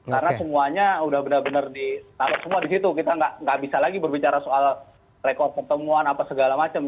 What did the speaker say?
karena semuanya udah benar benar ditaruh semua di situ kita gak bisa lagi berbicara soal rekor pertemuan apa segala macam